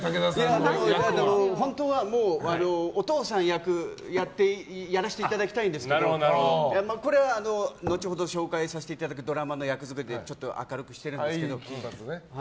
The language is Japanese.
でも本当はお父さん役をやらせていただきたいんですけどこれは後ほど紹介させていただくドラマの役作りでちょっと髪の毛は明るくしてるんですけど